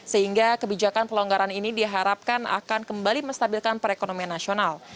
sehingga kebijakan pelonggaran ini diharapkan akan kembali menstabilkan perekonomian nasional